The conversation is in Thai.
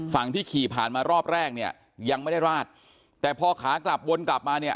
ฝั่งที่ขี่ผ่านมารอบแรกเนี่ยยังไม่ได้ราดแต่พอขากลับวนกลับมาเนี่ย